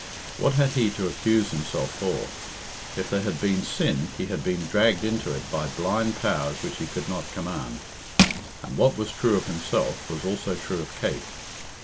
What had he to accuse himself for? If there had been sin, he had been dragged into it by blind powers which he could not command. And what was true of himself was also true of Kate.